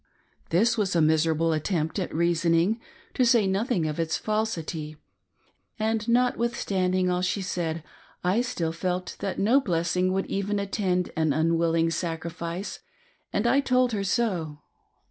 This was a miserable attempt at reasoning, to say nothing if its falsity ; and notwithstanding all she said, I still felt that 432 I RESOLVE TO GIVE THEM TROUBLE. no blessing would even attend an unwilling sacrifice, and I told her so.